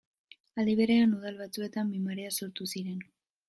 Aldi berean, udal batzuetan bi marea sortu ziren.